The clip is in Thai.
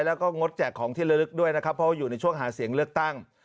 แล้วก็งดแจกของที่ละลึกด้วยนะครับเพราะว่าอยู่ในช่วงหาเสียงเลือกตั้ง